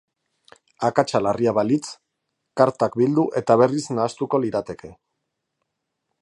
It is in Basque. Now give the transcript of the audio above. Akatsa larria balitz, kartak bildu eta berriz nahastuko lirateke.